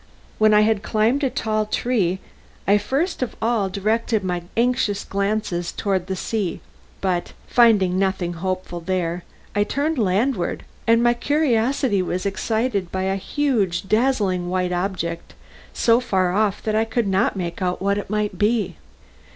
When I had climbed a tall tree I first of all directed my anxious glances towards the sea; but, finding nothing hopeful there, I turned landward, and my curiosity was excited by a huge dazzling white object, so far off that I could not make out what it might be.